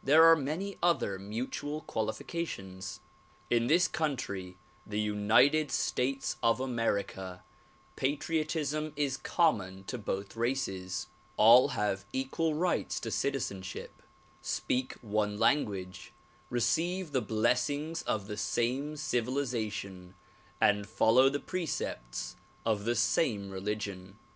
There are many other mutual qualifications. In this country, the United States of America, patriotism is connnon to both races; all have equal rights to citizenship, speak one language, receive the blessings of the same civilization and follow the precepts of the same religion.